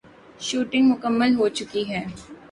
shooting مکمل ہوچکی ہے